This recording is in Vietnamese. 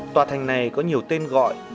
tòa thành này có nhiều tên gọi